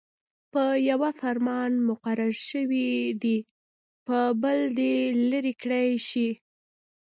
په يوه فرمان مقرر شوي دې په بل دې لیرې کړل شي.